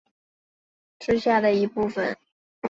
纹状体是端脑皮质下的一部份。